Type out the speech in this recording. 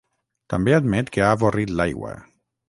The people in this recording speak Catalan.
També admet que ha avorrit l'aigua.